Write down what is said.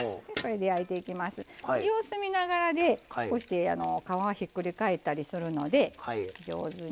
で様子見ながらでこうして皮ひっくり返ったりするので上手に。